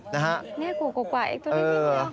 นี่กูกกว่าเอกตัวนี้ด้วย